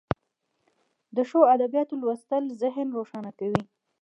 د ښو ادبیاتو لوستل ذهن روښانه کوي.